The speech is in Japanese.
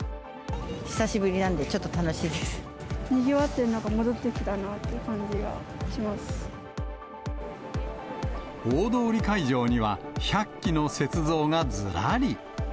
久しぶりなんで、ちょっと楽にぎわってるのが戻ってきた大通会場には、１００基の雪像がずらり。